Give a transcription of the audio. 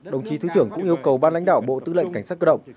đồng chí thứ trưởng cũng yêu cầu ban lãnh đạo bộ tư lệnh cảnh sát cơ động